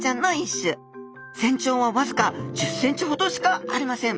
全長はわずか１０センチほどしかありません